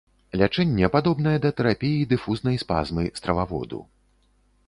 Лячэнне падобнае да тэрапіі дыфузнай спазмы страваводу.